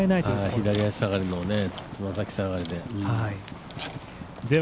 左足下がりの爪先下がりで。